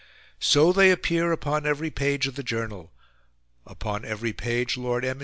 So they appear upon every page of the Journal; upon every page Lord M.